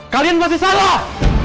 kalian pasti salah